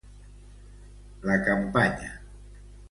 La campanya.